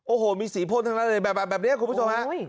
โอ้โหมีสีพ้นทั้งนั้นแบบนี้ครับคุณผู้ชมครับ